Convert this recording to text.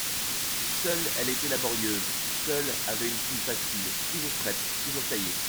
Seule elle était laborieuse, seule avait une plume facile, toujours prête, toujours taillée.